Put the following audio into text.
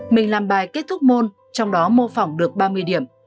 mình làm bài kết thúc môn trong đó mô phỏng được ba mươi điểm